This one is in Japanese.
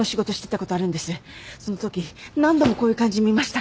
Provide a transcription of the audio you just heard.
そのとき何度もこういう感じ見ました。